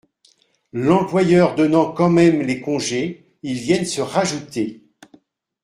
L’employeur donnant quand même les congés, ils viennent se rajouter.